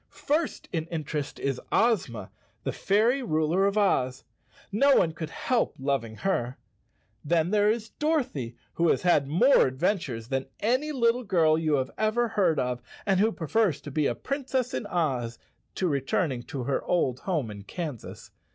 First in interest is Ozma, the fairy ruler of Oz. No one could help loving her. Then there is Dorothy, who has had more adventures than any little girl you have ever heard of and who prefers to be a Princess in Oz to returning to her old home in Kansas.